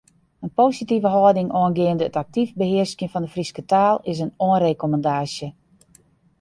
In positive hâlding oangeande it aktyf behearskjen fan de Fryske taal is in oanrekommandaasje.